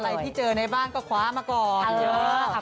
ที่เจอในบ้านก็คว้ามาก่อน